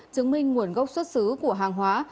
chứng minh nguồn gốc xuất xứ của hàng hóa